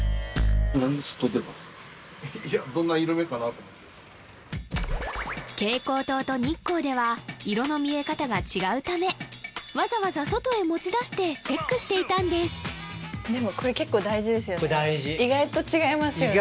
いや蛍光灯と日光では色の見え方が違うためわざわざ外へ持ち出してチェックしていたんですでもこれ結構大事ですよね